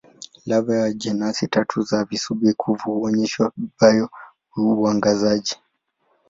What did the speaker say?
Lava wa jenasi tatu za visubi-kuvu huonyesha bio-uangazaji.